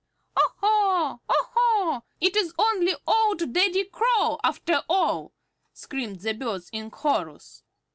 "Oh ho, oh ho! It is only old Daddy Crow, after all!" screamed the birds in chorus.